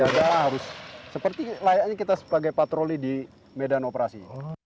harus kita siaga harus seperti layaknya kita sebagai patroli di medan operasi